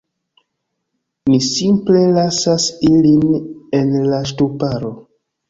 Ni simple lasas ilin en la ŝtuparo